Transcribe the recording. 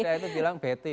anak muda itu bilang beti